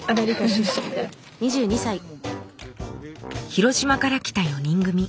広島から来た４人組。